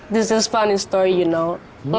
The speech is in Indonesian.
kita disini mendedah female